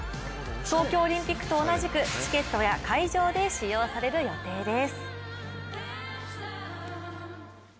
東京オリンピックと同じくチケットや会場で使用される予定です。